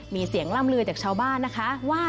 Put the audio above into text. มีเสียงล่ำลือจากชาวบ้านนะคะว่า